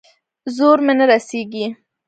زور مې نه رسېږي.